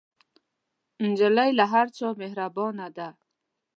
نجلۍ له هر چا مهربانه ده.